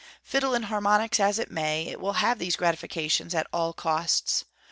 Fiddle in harmonics as it may, it will have these gratifications at all costs.